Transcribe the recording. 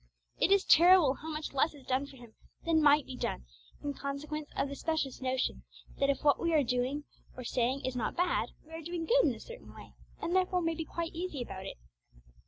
It is terrible how much less is done for Him than might be done, in consequence of the specious notion that if what we are doing or saying is not bad, we are doing good in a certain way, and therefore may be quite easy about it.